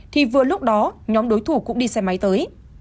thì vừa lúc đó nhóm đối thủ cũng đi xe máy tới